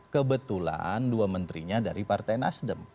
kebetulan dua menterinya dari partai nasdem